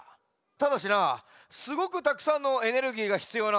ただしなすごくたくさんのエネルギーがひつようなんじゃ。